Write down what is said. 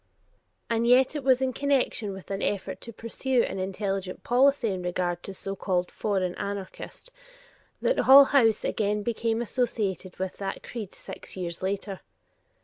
And yet it was in connection with an effort to pursue an intelligent policy in regard to a so called "foreign anarchist" that Hull House again became associated with that creed six years later.